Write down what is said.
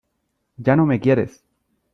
¡ ya no me quieres !